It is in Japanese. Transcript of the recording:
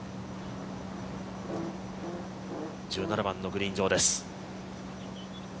１７番のグリーン上です。